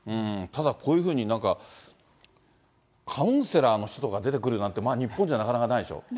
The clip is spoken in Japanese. ただ、こういうふうになんか、カウンセラーの人が出てくるなんて、日本じゃなかなかないでしょ。